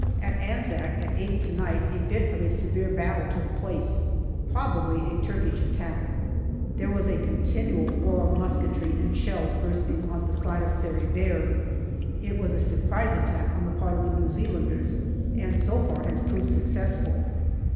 At Anzac, at eight to night, a bit of a severe battle took place, probably a Turkish attack. There was a continual roar of musketry and shells bursting on the side of Sari Bair. It was a surprise attack on the part of the New Zealanders, and so far has proved successful.